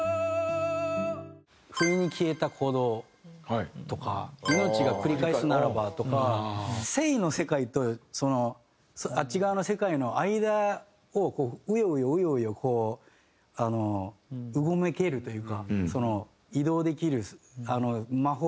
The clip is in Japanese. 「ふいに消えた鼓動」とか「命が繰り返すならば」とか生の世界とあっち側の世界の間をウヨウヨウヨウヨこううごめけるというか移動できる魔法はありますよね